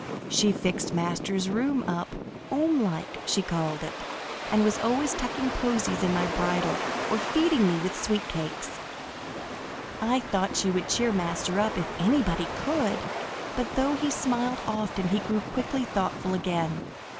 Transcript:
She fixed Master's rooms up "'omelike," she called it, and was always tucking posies in my bridle, or feeding me with sweet cakes. I thought she would cheer Master up if anybody could, but though he smiled often he grew quickly thoughtful again.